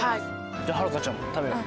じゃあハルカちゃんも食べよう。